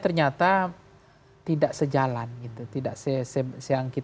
baru dia sepakatin kekuasaan congkora brain dan percarrfye sebesar ini zagot